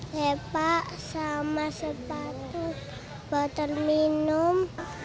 lepak sama sepatu botol minum